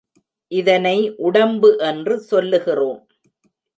இதனை உடம்பு என்று சொல்லுகிறோம்.